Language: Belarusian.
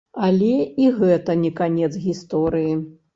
Але і гэта не канец гісторыі.